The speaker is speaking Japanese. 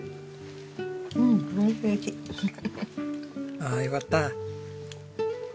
ああよかった。